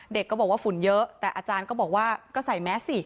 ก็บอกว่าฝุ่นเยอะแต่อาจารย์ก็บอกว่าก็ใส่แมสสิ